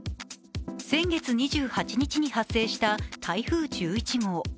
先月２８日に発生した台風１１号。